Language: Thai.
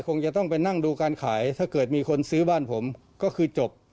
คงจะต้องไปนั่งดูการขายถ้าเกิดมีคนซื้อบ้านผมก็คือจบ